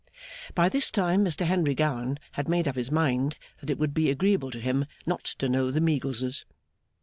By this time Mr Henry Gowan had made up his mind that it would be agreeable to him not to know the Meagleses.